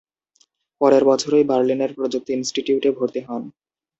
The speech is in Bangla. পরের বছরই বার্লিনের প্রযুক্তি ইনস্টিটিউটে ভর্তি হন।